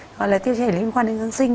gọi là tiêu chảy liên quan đến kháng sinh